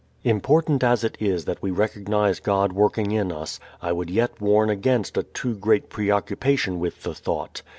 Important as it is that we recognize God working in us, I would yet warn against a too great preoccupation with the thought.